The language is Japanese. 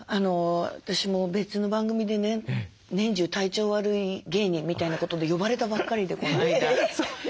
私も別の番組でね「年中体調悪い芸人」みたいなことで呼ばれたばっかりでこの間。